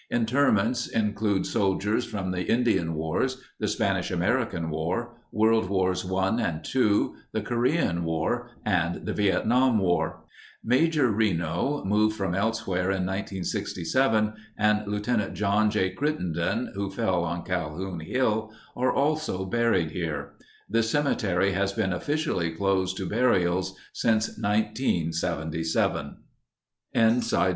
Interments in clude soldiers from the Indian Wars, the Spanish American War, World Wars I and II, the Korean War, and the Vietnam War. Major Reno, moved from elsewhere in 1967, and Lt. John J. Crittenden, who fell on Calhoun Hill, are also buried here. The cemetery has been officially closed to burials since 1977. 109 Index American Horse, 79.